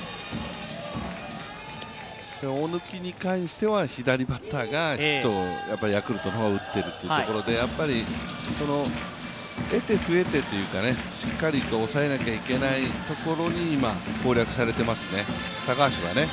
大貫に関しては左バッターがヒットをヤクルトの方は打っているところで得手不得手というかしっかり抑えなきゃいけないところに今攻略されてますね、高橋はね。